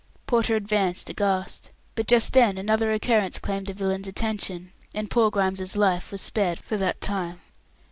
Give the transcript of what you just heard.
Porter advanced aghast, but just then another occurrence claimed the villain's attention, and poor Grimes's life was spared for that time.